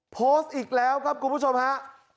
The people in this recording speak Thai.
โพสต์อีกแล้วครับคุณผู้ชมฮะ